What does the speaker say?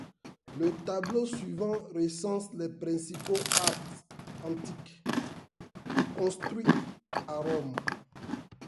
Le tableau suivant recense les principaux arcs antiques construits à Rome.